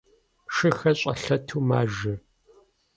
Шыхэр щӀэлъэту мажэ.